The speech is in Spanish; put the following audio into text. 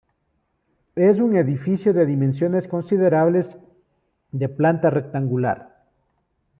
Es un edificio de dimensiones considerables, de planta rectangular.